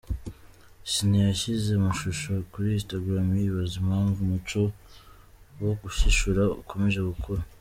Ciney yashyize amashusho kuri instagram yibaza impamvu umuco wo gushishura ukomeje gukura.